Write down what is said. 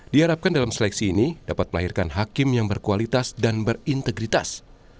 diharapkan dalam seleksi ini dapat melahirkan hakim yang berkualitas dan berintegritas